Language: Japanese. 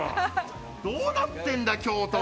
どうなってるんだ京都は！